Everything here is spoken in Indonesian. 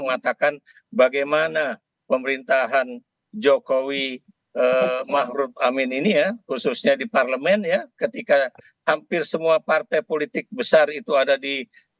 mengatakan bagaimana pemerintahan jokowi ⁇ maruf ⁇ amin ini ya khususnya di parlemen ya ketika hampir semua partai politik besar itu ada di